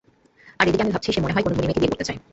আর এদিকে আমি ভাবছি সে মনে হয় কোন ধনী মেয়েকে বিয়ে করতে চায়!